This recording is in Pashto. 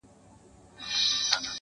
چي د مخ لمر يې تياره سي نيمه خوا سي ـ